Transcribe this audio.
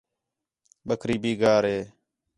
بکری بھی گار ہے